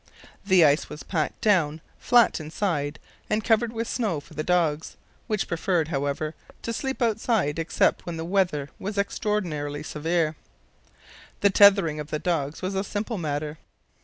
The ice was packed down flat inside and covered with snow for the dogs, which preferred, however, to sleep outside except when the weather was extraordinarily severe. The tethering of the dogs was a simple matter.